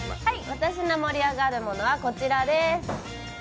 私の盛り上がるものはこちらです。